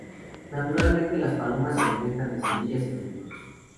Naturalmente las palomas se alimentan de semillas y frutos.